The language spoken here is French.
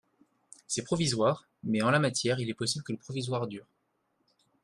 C’est provisoire mais en la matière il est possible que le provisoire dure.